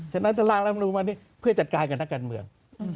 ฉะนั้นจะร่างรัฐมนุนวันนี้เพื่อจัดการกับนักการเมือง